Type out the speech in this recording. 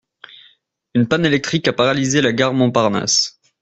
Une panne électrique a paralysé la gare Montparnasse.